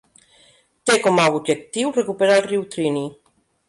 Té com a objectiu recuperar el riu Triniy.